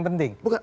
kepada pak koster